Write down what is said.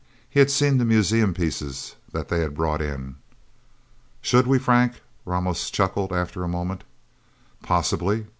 He had seen the museum pieces that they had brought in. "Should we, Frank?" Ramos chuckled after a moment. "Possibly...